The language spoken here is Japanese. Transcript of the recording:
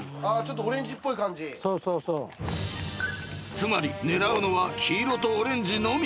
［つまり狙うのは黄色とオレンジのみ］